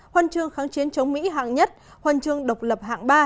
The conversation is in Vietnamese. huần trường kháng chiến chống mỹ hạng nhất huần trường độc lập hạng ba